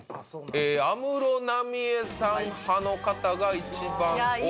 安室奈美恵さん派の方が一番多いかと。